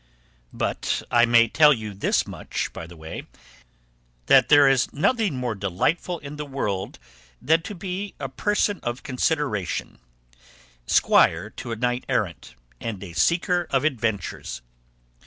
But I may tell you this much by the way, that there is nothing in the world more delightful than to be a person of consideration, squire to a knight errant, and a seeker of adventures.